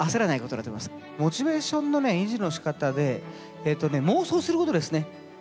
モチベーションのね維持のしかたで妄想することですね。